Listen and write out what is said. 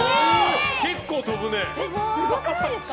結構跳ぶね！